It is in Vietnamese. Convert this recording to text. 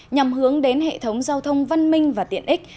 nhằm hướng đến hệ thống giao thông văn minh và tiện ích